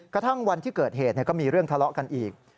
กระทั่งวันที่เกิดเหตุก็มีเรื่องทะเลาะกันอีก